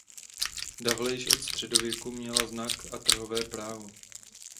Davle již od středověku měla znak a trhové právo.